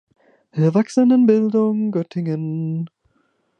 Erwachsenenbildung Göttingen.